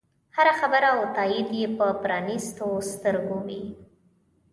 هره خبره او تایید یې په پرانیستو سترګو وي.